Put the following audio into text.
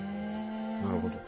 なるほど。